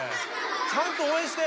ちゃんと応援して。